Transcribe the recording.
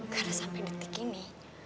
karena sampe detik ini